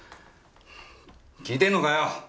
聞いてんのかよ！